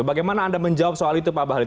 bagaimana anda menjawab soal itu pak bahlil